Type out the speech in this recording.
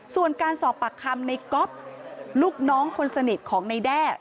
ส่วนการสอบปากคำในก๊อฟลูกน้องคนสนิทของในแด้